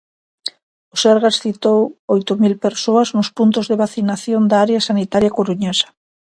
O Sergas citou oito mil persoas nos puntos de vacinación da área sanitaria coruñesa.